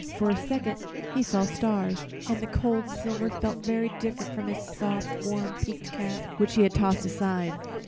For a second he saw stars, and the cold silver felt very different from his soft, warm peaked cap which he had tossed aside.